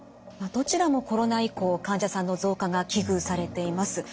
どちらもコロナ以降患者さんの増加が危惧されています。